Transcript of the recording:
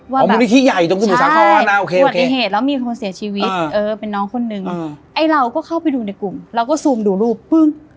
ว่าแบบใช่อุบัติเหตุแล้วมีคนเสียชีวิตเป็นน้องคนนึงไอ้เราก็เข้าไปดูในกลุ่มเราก็ซูมดูรูป